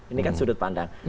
ini kan sudut pandang